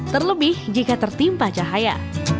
terlebih jika tertimpa cahaya